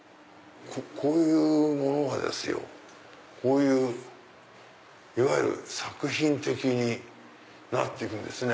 こういうものがですよいわゆる作品的になって行くんですね。